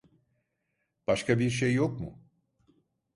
Başka bir şey yok mu?